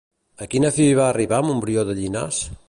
A quina fi va arribar Montbrió de Llissàs?